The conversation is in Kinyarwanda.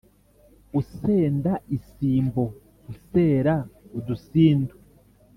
Usenda isimbo usera udusindu.